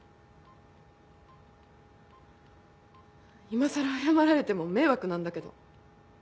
今更謝られても迷惑なんだけど。